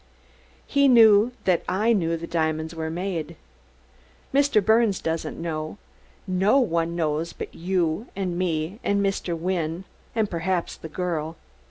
He knew that I knew the diamonds were made. Mr. Birnes doesn't know; no one knows but you and me and Mr. Wynne, and perhaps the girl!